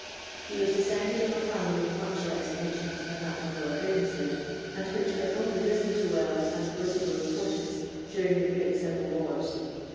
He was descended of a family much less ancient than that of Lord Ravenswood, and which had only risen to wealth and political importance during the great civil wars.